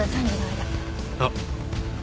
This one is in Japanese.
あっ。